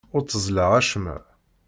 Ur tteẓẓleɣ acemma.